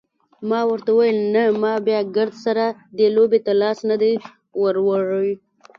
ما ورته وویل نه ما بیا ګردسره دې لوبې ته لاس نه دی وروړی.